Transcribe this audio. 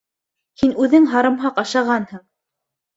Һин үҙең һарымһаҡ ашағанһың!